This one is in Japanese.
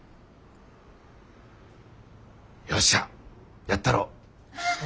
よっしゃやったろ。